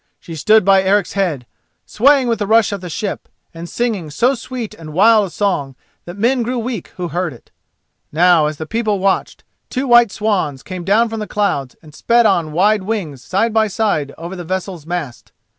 She stood by Eric's head, swaying with the rush of the ship, and singing so sweet and wild a song that men grew weak who heard it. Now, as the people watched, two white swans came down from the clouds and sped on wide wings side by side over the vessel's mast.